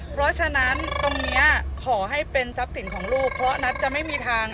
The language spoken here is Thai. เพราะฉะนั้นตรงนี้ขอให้เป็นทรัพย์สินของลูกเพราะนัทจะไม่มีทาง